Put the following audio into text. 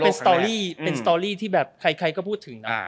เป็นสตอรี่เป็นสตอรี่ที่แบบใครก็พูดถึงนะ